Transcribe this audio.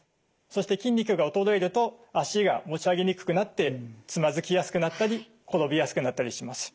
そして筋肉が衰えると足が持ち上げにくくなってつまずきやすくなったり転びやすくなったりします。